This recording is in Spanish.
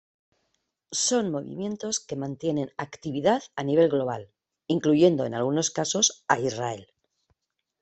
Son movimientos que mantienen actividad a nivel global, incluyendo en algunos casos a Israel.